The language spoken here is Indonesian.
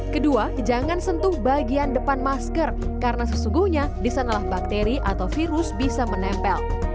kedua jangan sentuh bagian depan masker karena sesungguhnya disanalah bakteri atau virus bisa menempel